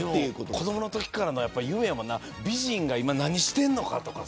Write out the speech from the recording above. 子どものときからの夢やもんな美人が今、何してるのかとか。